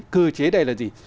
cơ chế đây là gì